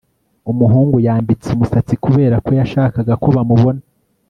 umuhungu yambitse umusatsi kubera ko yashakaga ko bamubona